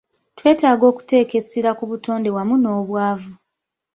Twetaaga okuteeka essira ku butonde wamu n'obwavu.